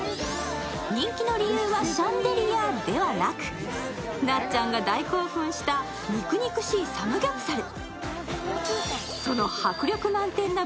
人気の理由はシャンデリアではなく、なっちゃんが大興奮した肉肉しいサムギョプサル。